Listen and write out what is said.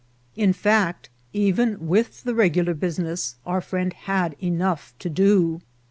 In fact, even vrith the regular business our firiend had enough to do.